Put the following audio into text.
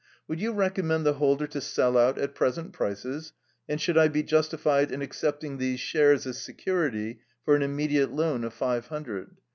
"Would you recommend the holder to sell out at present prices? And should I be justified in accepting these shares as security for an immediate loan of five hundred?